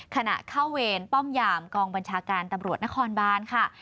ขณะเข้าเวรป้อมยามกองบัญชาการตำรวจนครบานค่ะ